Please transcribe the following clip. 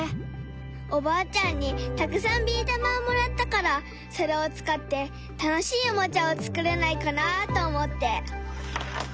おばあちゃんにたくさんビー玉をもらったからそれを使って楽しいおもちゃを作れないかなと思って。